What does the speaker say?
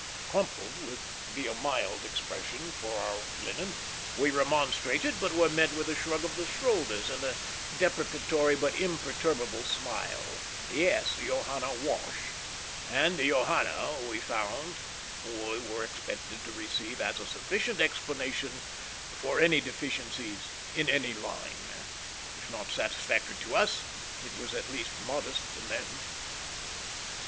Crumpled would be a mild expression for our linen. We remonstrated, but were met with a shrug of the shoulders and a deprecatory but imperturbable smile "Yes; Johanna wash!" And "Johanna" we found we were expected to receive as a sufficient explanation for any deficiencies in any line. If not satisfactory to us, it was at least modest in them.